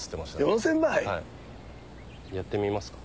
４０００杯！やってみますか？